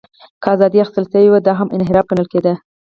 که ازادۍ اخیستل شوې وې، دا هم انحراف ګڼل کېده.